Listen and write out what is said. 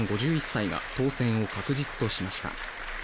５１歳が当選を確実としました。